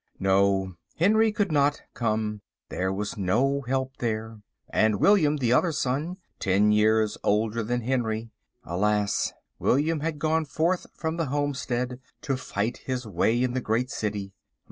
No, Henry could not come. There was no help there. And William, the other son, ten years older than Henry. Alas, William had gone forth from the homestead to fight his way in the great city!